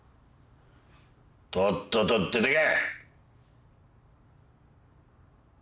とっとと出てけ！